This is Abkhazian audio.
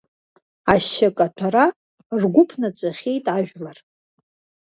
Ашьакаҭәара ргәы ԥнаҵәахьеит ажәлар.